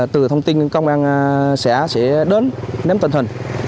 từ thông tin công an xã sẽ đến nắm tình hình